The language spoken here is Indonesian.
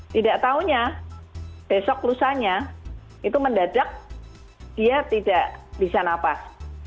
tidak tahunya besok lusanya itu mendadak dia tidak bisa napas